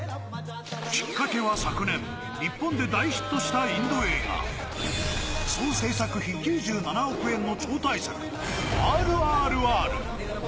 きっかけは昨年、日本で大ヒットしたインド映画、総制作費９７億円の超大作『ＲＲＲ』。